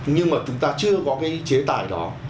nhưng mà chúng ta chưa có cái chế tài đó